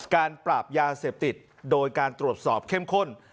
การปราบยาเสพติดโดยการตรวจสอบเข้มข้น